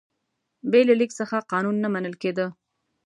بې له لیک څخه قانون نه منل کېده.